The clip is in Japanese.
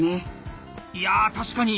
いや確かに！